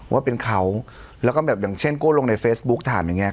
ว่าเป็นเขาแล้วก็แบบอย่างเช่นโก้ลงในเฟซบุ๊กถามอย่างเงี้